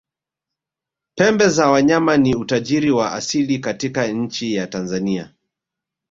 pembe za wanyama ni utajiri wa asili katika nchi ya tanzania